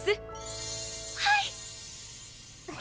はい！